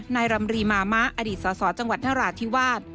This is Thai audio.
นายรำรีมามะอดีตสสจังหวัดนราธิวาส